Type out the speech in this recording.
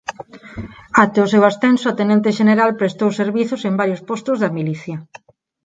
Até o seu ascenso a tenente xeneral prestou servizos en varios postos da milicia.